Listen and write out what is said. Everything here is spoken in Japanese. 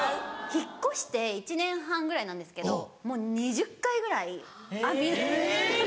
引っ越して１年半ぐらいなんですけどもう２０回ぐらい網戸。